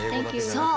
そう。